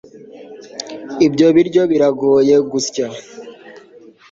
ibyo biryo biragoye gusya